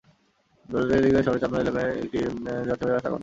বেলা দুইটার দিকে শহরের চাঁদমারী এলাকায় একটি যাত্রীবাহী বাসে আগুন দেওয়া হয়।